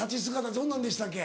どんなんでしたっけ？